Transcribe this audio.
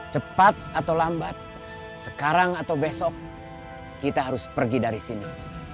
cepat atau lambat sekarang atau besok kita harus pergi dari sini